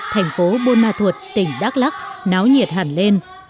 thành phố buôn ma thuột tỉnh đắk lắc náo nhiệt hẳn lên